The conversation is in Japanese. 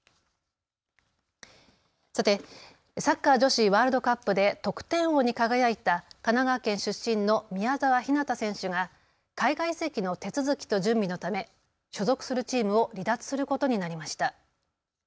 さて、サッカー女子ワールドカップで得点王に輝いた神奈川県出身の宮澤ひなた選手が海外移籍の手続きと準備のため所属するチームを離脱することになりました。